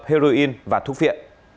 heroin và thuốc viện